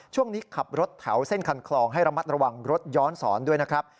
ช่วงนี้ขับรถแถวเส้นคันคลองให้ระมัดระวังรถย้อนสอนด้วยนะครับ